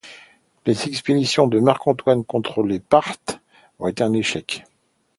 Les expéditions de Marc Antoine contre les Parthes ont été un échec.